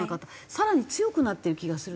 更に強くなってる気がする。